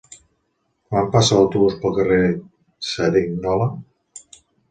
Quan passa l'autobús pel carrer Cerignola?